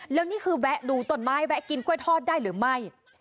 แล้วนี่คือแวะดูต้นไม้แวะกินกล้วยทอดได้หรือไม่